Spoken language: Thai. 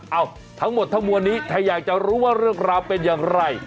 ทั้งหมดทั้งมวลนี้ถ้าอยากจะรู้ว่าเรื่องราวเป็นอย่างไร